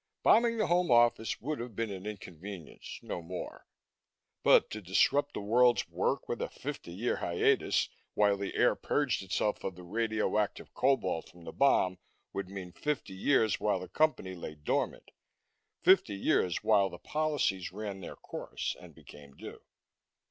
Bombing the Home Office would have been an inconvenience, no more. But to disrupt the world's work with a fifty year hiatus, while the air purged itself of the radioactive cobalt from the bomb, would mean fifty years while the Company lay dormant; fifty years while the policies ran their course and became due.